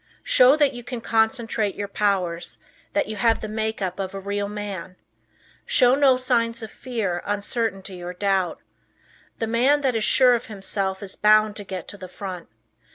Show that you can concentrate your powers, that you have the makeup of a real man. Show no signs of fear, uncertainty or doubt. The man that is sure of himself is bound to get to the front.